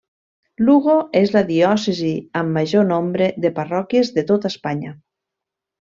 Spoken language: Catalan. Lugo és la diòcesi amb major nombre de parròquies de tota Espanya.